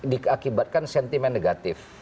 diakibatkan sentimen negatif